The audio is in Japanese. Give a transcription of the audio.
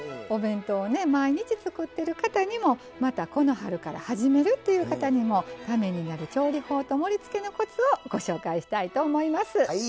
お弁当をね毎日作ってる方にもまたこの春から始めるという方にもためになる調理法と盛りつけのコツをご紹介したいと思います。